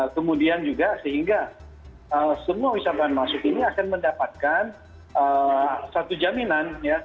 kemudian juga sehingga semua wisatawan masuk ini akan mendapatkan satu jaminan